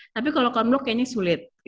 tapi kalau cone block kayaknya sulit